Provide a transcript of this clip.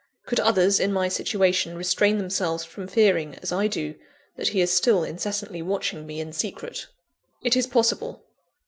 Could others in my situation restrain themselves from fearing, as I do, that he is still incessantly watching me in secret? It is possible.